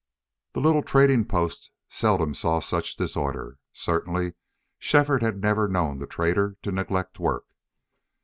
The little trading post seldom saw such disorder; certainly Shefford had never known the trader to neglect work.